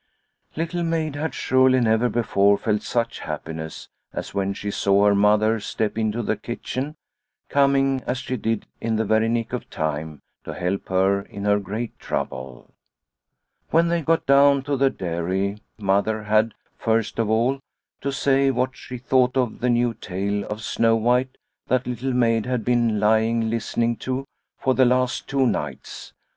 Little Maid had surely never before felt such happiness as when she saw her mother step into the kitchen, coming as she did in the very nick of time to help her in her great trouble. When they got down to the dairy Mother had, first of all, to say what she thought of the new tale of Snow White that Little Maid had been lying listening to for the last two nights.